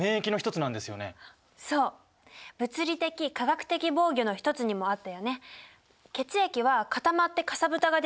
物理的・化学的防御の一つにもあったよね。